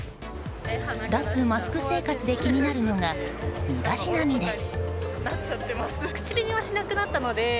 脱マスク生活で気になるのが身だしなみです。